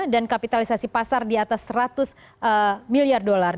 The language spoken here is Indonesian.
dan kapitalisasi pasar di atas seratus miliar dollar